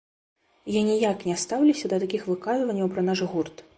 Я ніяк не стаўлюся да такіх выказванняў пра наш гурт.